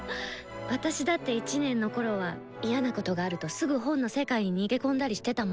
私だって１年のころは嫌なことがあるとすぐ本の世界に逃げ込んだりしてたもん。